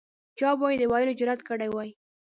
چا به یې د ویلو جرأت کړی وای.